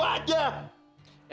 hmm jangan disitu situ aja